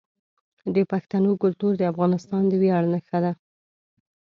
د پښتنو کلتور د افغانستان د ویاړ نښه ده.